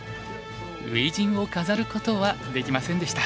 初陣を飾ることはできませんでした。